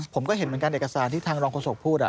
ผมก็เห็นเหมือนกันเอกสารที่ทางรองโฆษกพูด